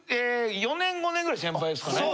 ４年５年ぐらい先輩ですかね？